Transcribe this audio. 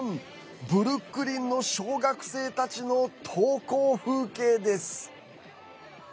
ブルックリンの小学生たちの登校風景です。